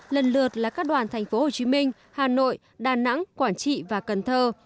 lần lượt là các đoàn tp hcm hà nội đà nẵng quảng trị và cần thơ